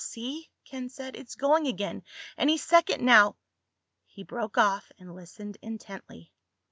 "See?" Ken said. "It's going again. Any second now—" He broke off and listened intently.